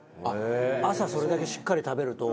朝それだけしっかり食べると。